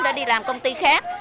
để đi làm công ty khác